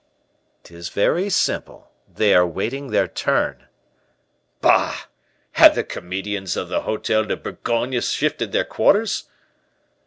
"'Tis very simple. They are waiting their turn." "Bah! Have the comedians of the Hotel de Bourgogne shifted their quarters?"